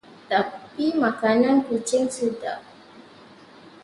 Tapi, makanan kucing sedap.